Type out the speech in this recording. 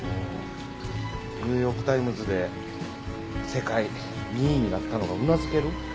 ニューヨーク・タイムズで世界２位になったのがうなずける。